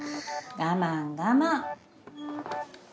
我慢我慢。